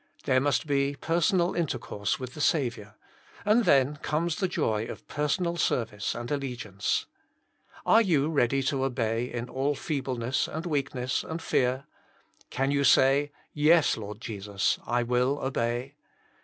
There must be personal intercourse with the Saviour, and then comes the joy of per sonal service and allegiance. Are yoxx ready to obey in all feebleness and weakness and fear ? Can you say, JestLs Himself. 59 Ye8, Lord Jesus, I will obey?"